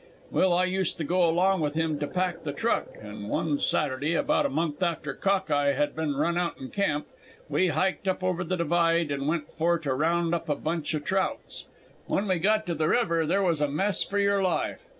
"Well, I used to go along with him to pack the truck, and one Saturday, about a month after Cock eye had been run outen camp, we hiked up over the divide, and went for to round up a bunch o' trouts. When we got to the river there was a mess for your life.